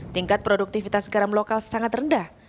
tingkat produktivitas garam lokal sangat rendah